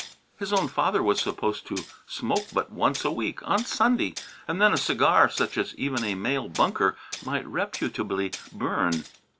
His own father was supposed to smoke but once a week, on Sunday, and then a cigar such as even a male Bunker might reputably burn.